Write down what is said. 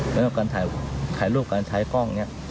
เหมือนกับการถ่ายรูปการถ่ายกล้องอย่างนี้